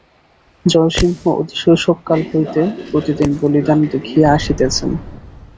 জয়সিংহ অতি শৈশবকাল হইতে প্রতিদিন বলিদান দেখিয়া আসিতেছেন।